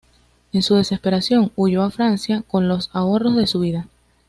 En su desesperación, huyó a Francia con los ahorros de su vida.